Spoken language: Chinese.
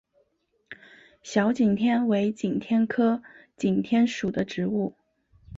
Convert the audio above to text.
小景天为景天科景天属的植物。